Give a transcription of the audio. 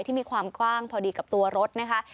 ที่มีความกว้างพอดีกับตัวรถนะคะ